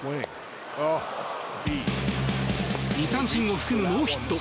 ２三振を含むノーヒット。